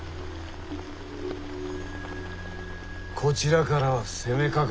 こちらからは攻めかからん。